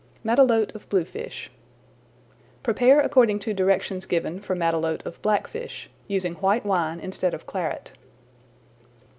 MATELOTE OF BLUEFISH Prepare according to directions given for Matelote of Blackfish, using white wine instead of Claret.